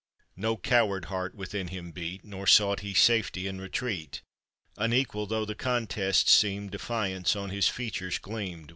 No coward heart within him beat, Nor sought he safety in retreat; Unequal tho' the contest seemed, Defiance on his features gleamed.